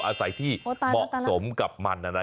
อาศัยที่เหมาะสมกับมัน